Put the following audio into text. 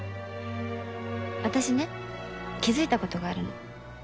私ね気付いたことがあるの。